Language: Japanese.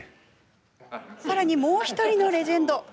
さらに、もう１人のレジェンド。